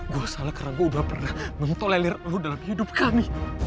gua salah karena gua udah pernah mentolak lu dalam hidup kami